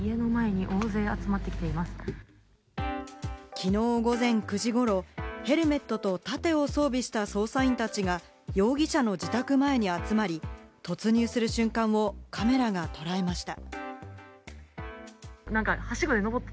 きのう午前９時ごろ、ヘルメットと盾を装備した捜査員たちが容疑者の自宅前に集まり、突入する瞬間をカメラが捉えました。